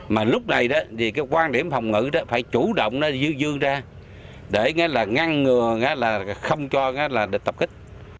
mà lúc này quan điểm phòng ngữ phải chủ động dư ra để ngăn ngừa không cho địch tập kích